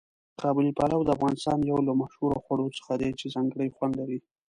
قابلي پلو د افغانستان یو له مشهورو خواړو څخه دی چې ځانګړی خوند لري.